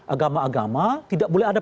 agama agama tidak boleh ada